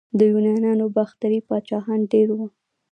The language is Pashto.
د یونانو باختري پاچاهان ډیر وو